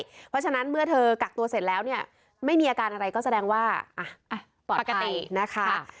เพราะฉะนั้นเมื่อเธอกักตัวเสร็จแล้วเนี่ยไม่มีอาการอะไรก็แสดงว่าปกตินะคะ